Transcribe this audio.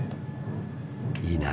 いいなあ。